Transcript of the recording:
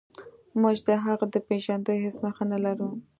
موږ د هغه د پیژندلو هیڅ نښه نلرو.